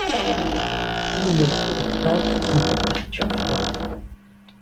Il ne tolère pas les températures froides.